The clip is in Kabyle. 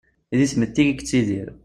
Di tmetti ideg-i yettidir.